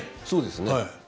そうですね。